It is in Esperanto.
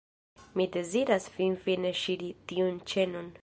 Mi deziras finfine ŝiri tiun ĉenon.